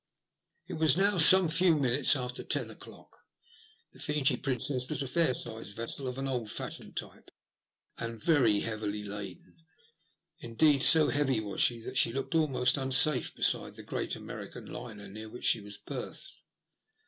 It was now some few minutes after ten o'clock. The Fiji Princess was a fair sized vessel of an old fashioned type, and very heavily laden; indeed, so heavy was she that she looked almost unsafe beside the great American liner near which she was berthed.